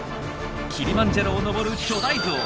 キリマンジャロを登る巨大ゾウ。